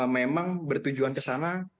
memang bertujuan ke sana